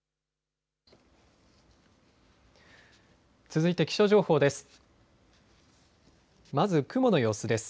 続いて気象情報です。